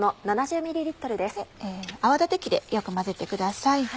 泡立て器でよく混ぜてください。